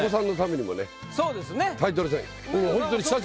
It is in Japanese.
そうですね。